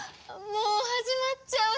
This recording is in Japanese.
もう始まっちゃう。